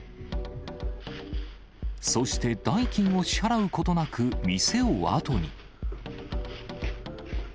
そして、代金を支払うことなく、店を後に。